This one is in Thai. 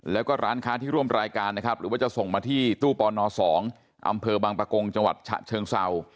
แล้วก็ร้านค้าที่ร่วมรายการนะครับหรือว่าจะส่งมาที่ตู้ปน๒อำเภอบางประกงจังหวัดฉะเชิงเศร้า